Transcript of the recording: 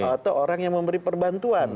atau orang yang memberi perbantuan